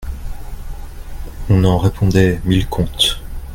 On en répandait mille contes.